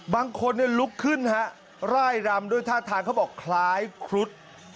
บางคนลุกขึ้นฮะร่ายรำด้วยท่าทางเขาบอกคล้ายครุฑ